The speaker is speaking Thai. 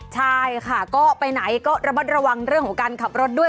ใช่ค่ะก็ไปไหนก็ระมัดระวังเรื่องของการขับรถด้วย